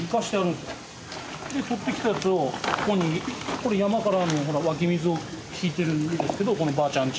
でとってきたやつをここにこれ山からの湧き水を引いているんですけどこのばあちゃん家。